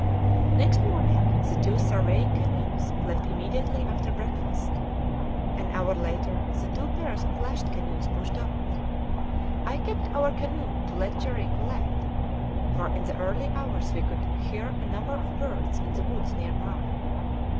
Next morning the two surveying canoes left immediately after breakfast. An hour later the two pairs of lashed canoes pushed off. I kept our canoe to let Cherrie collect, for in the early hours we could hear a number of birds in the woods near by.